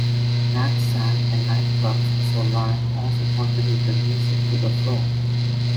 Nat sang in nightclubs so Lyon also contributed music to the film.